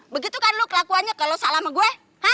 begitu kan lo kelakuannya kalau salah sama gue